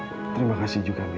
karena kamu akan senang sekali